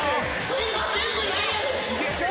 すいませんって。